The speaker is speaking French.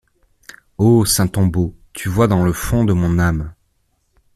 Ô saint tombeau, tu vois dans le fond de mon âme!